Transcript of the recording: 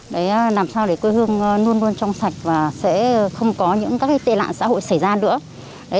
đấy làm sao để quê hương luôn luôn trong sạch và sẽ không có những các tệ nạn xã hội xảy ra nữa